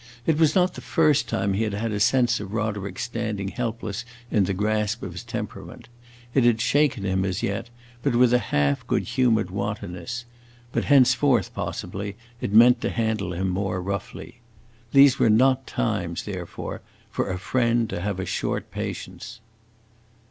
It was not the first time he had had a sense of Roderick's standing helpless in the grasp of his temperament. It had shaken him, as yet, but with a half good humored wantonness; but, henceforth, possibly, it meant to handle him more roughly. These were not times, therefore, for a friend to have a short patience.